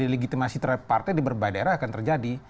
dilegitimasi partai di berbagai daerah akan terjadi